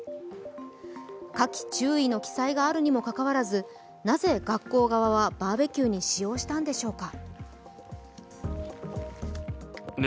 火気注意の記載があるにもかかわらず、なぜ学校側は、バーベキューに使用したのでしょうか。